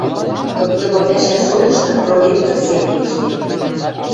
тымдымы пӓшӓ шотышты проректор семӹнь ӹштен.